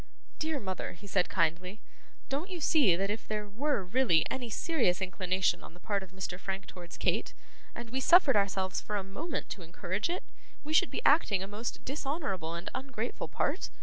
'Dear mother,' he said kindly, 'don't you see that if there were really any serious inclination on the part of Mr. Frank towards Kate, and we suffered ourselves for a moment to encourage it, we should be acting a most dishonourable and ungrateful part?